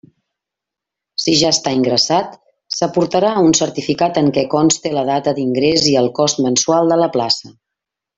Si ja està ingressat, s'aportarà un certificat en què conste la data d'ingrés i el cost mensual de la plaça.